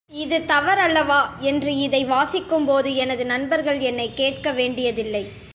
இது தவறல்லவா என்று இதை வாசிக்கும் எனது நண்பர்கள் என்னைக் கேட்க வேண்டியதில்லை.